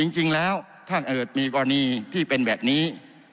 จริงแล้วถ้าเกิดมีกรณีที่เป็นแบบนี้